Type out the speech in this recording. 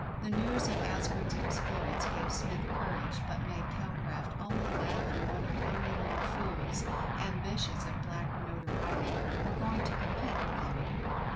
The news of ASKERN'S exploits gave SMITH courage, but made CALCRAFT only laugh and wonder how many more fools, ambitious of a black notoriety, were going to compete with him.